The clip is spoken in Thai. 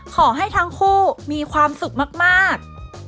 ขอให้ทั้งคู่มีความสุขมาก